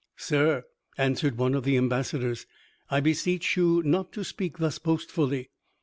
"Sir," answered one of the ambassadors, "I beseech you not to speak thus boastfully.